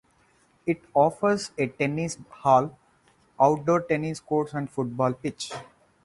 It offers a tennis hall, outdoor tennis courts and football pitch.